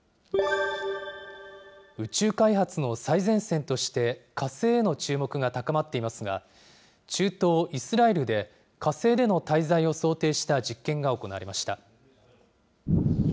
宇宙開発の最前線として、火星への注目が高まっていますが、中東イスラエルで、火星での滞在を想定した実験が行われました。